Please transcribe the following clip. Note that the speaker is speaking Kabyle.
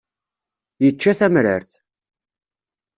Yečča tamrart.